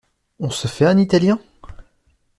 On se fait un italien?